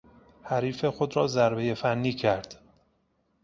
حریف خود را ضربهی فنی کرد.